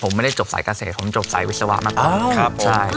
ผมไม่ได้จบใส่เกษตรผมจบใส่วิศวะมากกว่าอ้าวครับผมใช่